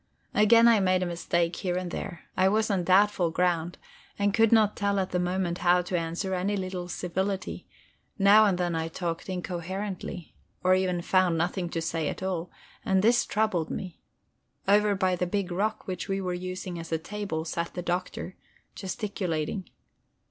Again I made a mistake here and there: I was on doubtful ground, and could not tell at the moment how to answer any little civility; now and then I talked incoherently, or even found nothing at all to say, and this troubled me. Over by the big rock which we were using as a table sat the Doctor, gesticulating.